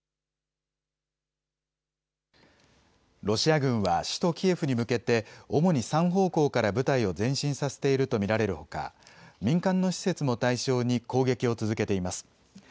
ロシア軍は首都キエフに向けて主に３方向から部隊を前進させていると見られるほか、民間の施設も対象に攻撃を続けています。